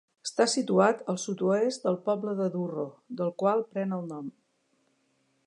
Està situat al sud-oest del poble de Durro, del qual pren el nom.